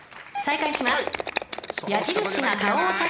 ［再開します］